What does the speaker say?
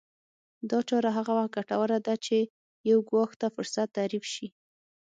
دا چاره هغه وخت ګټوره ده چې يو ګواښ ته فرصت تعريف شي.